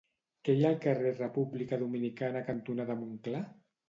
Què hi ha al carrer República Dominicana cantonada Montclar?